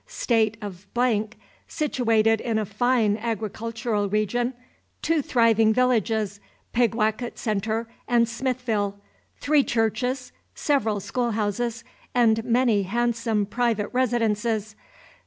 State of , situated in a fine agricultural region, 2 thriving villages, Pigwacket Centre and Smithville, 3 churches, several school houses, and many handsome private residences.